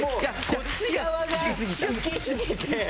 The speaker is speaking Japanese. こっち側行きすぎてて。